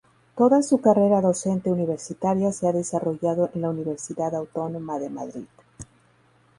Toda su carrera docente universitaria se ha desarrollado en la Universidad Autónoma de Madrid.